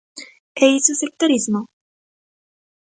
¿É iso sectarismo?